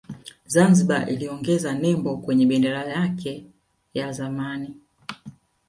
Zanzibar iliongeza nembo kwenye bendera yake ya zamani